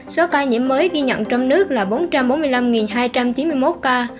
số ca nhiễm mới ghi nhận trong nước là bốn trăm bốn mươi năm hai trăm chín mươi một ca